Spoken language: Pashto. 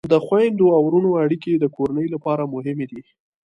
د خویندو او ورونو اړیکې د کورنۍ لپاره مهمې دي.